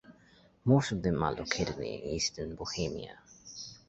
Most of them are located in Eastern Bohemia.